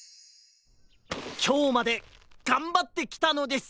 きょうまでがんばってきたのです！